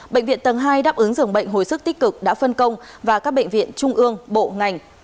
bệnh viện tầng hai đáp ứng dường bệnh hồi sức tích cực đã phân công và các bệnh viện trung ương bộ ngành